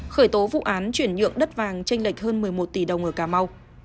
khởi tố vụ án chuyển nhượng đất vàng tranh lệch hơn một mươi một tỷ đồng ở cà mau